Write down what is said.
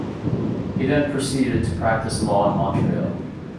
He then proceeded to practice law in Montreal.